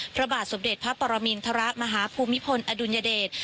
พระบาทสมเด็จพระปรมินทรมาฮภูมิพลอดุลยเดช